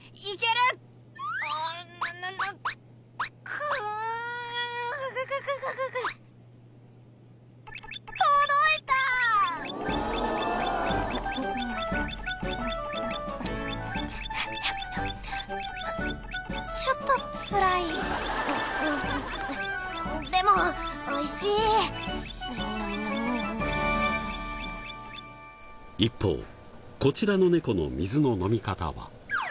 一方こちらのネコの水の飲み方は。